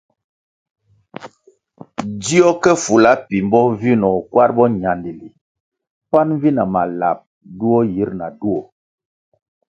Dzió ke fula pimbo vinoh kwar boñandili pan vi na malap duo yir na duo.